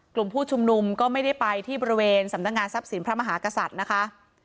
กลุ่มผู้ชุมนุมก็ไม่ได้ไปที่บริเวณสำนักงานทรัพย์สินพระมหากษัตริย์นะคะ